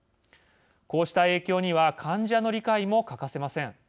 こうした影響には患者の理解も欠かせません。